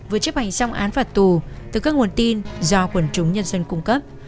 vừa chấp hành xong án phạt tù từ các nguồn tin do quần chúng nhân dân cung cấp